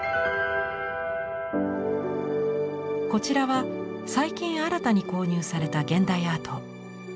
こちらは最近新たに購入された現代アート。